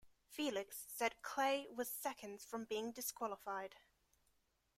Felix said Clay was seconds from being disqualified.